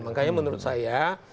makanya menurut saya